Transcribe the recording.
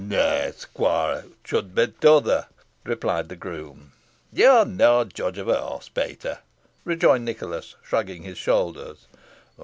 "Nah, squoire, it should be t'other," replied the groom. "You're no judge of a horse, Peter," rejoined Nicholas, shrugging his shoulders.